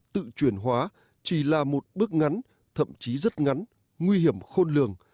tự chuyển hóa chỉ là một bước ngắn thậm chí rất ngắn nguy hiểm khôn lường